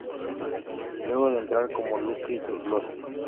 Luego de entrar como Lucky loser.